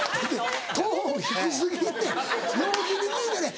トーン低過ぎんねん陽気に聞いたらええ。